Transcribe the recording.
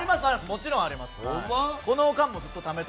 もちろんあります。ホンマ？